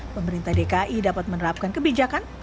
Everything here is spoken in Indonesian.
pemerintah dki dapat menerapkan kebijakan